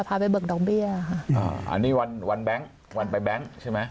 พาไปเบิกดอกเบี้ยค่ะอ่าอันนี้วันวันแบงค์วันไปแบงค์ใช่ไหม